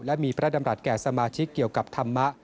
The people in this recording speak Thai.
และมีพระดำรัฐแก่สมาชิกเกี่ยวกับธรรมะ